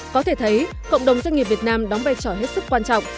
có thể thấy cộng đồng doanh nghiệp việt nam đóng vai trò hết sức quan trọng